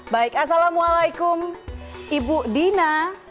baik assalamualaikum ibu dina